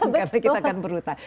berarti kita akan berhutang